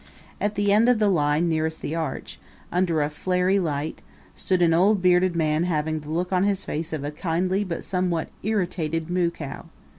At the end of the line nearest the Arch, under a flary light, stood an old bearded man having the look on his face of a kindly but somewhat irritated moo cow.